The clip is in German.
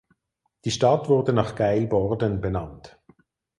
Die Stadt wurde nach Gail Borden benannt.